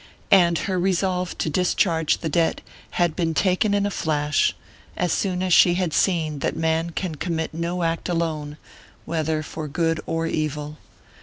And her resolve to discharge the debt had been taken in a flash, as soon as she had seen that man can commit no act alone, whether for good or evil.